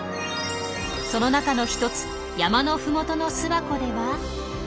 その中の一つ山の麓の巣箱では。